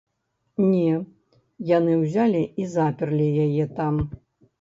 Не, яны ўзялі і заперлі яе там.